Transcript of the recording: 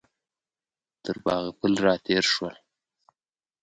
تر باغ پل راتېر شولو.